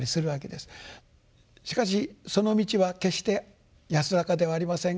しかしその道は決して安らかではありません。